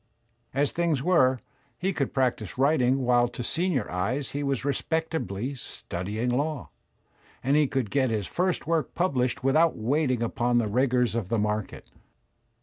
As things were, he could practise writing while to senior eyes he was respectably studying law; and he could get his first work published with out waiting upon the rigours of the market.